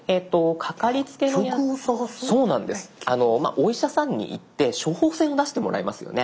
お医者さんに行って処方箋を出してもらいますよね。